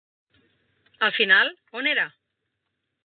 Al final, on era?